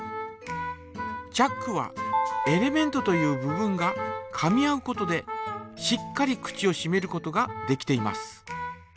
チャックはエレメントという部分がかみ合うことでしっかり口をしめることができています。